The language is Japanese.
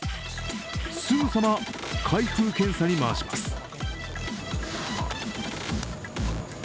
すぐさま、開封検査に回します。